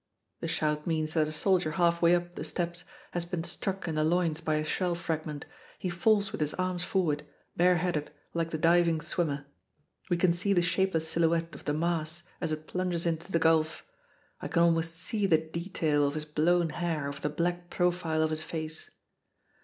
The shout means that a soldier half way up the steps has been struck in the loins by a shell fragment; he falls with his arms forward, bareheaded, like the diving swimmer. We can see the shapeless silhouette of the mass as it plunges into the gulf. I can almost see the detail of his blown hair over the black profile of his face.